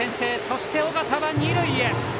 そして、緒方は二塁へ！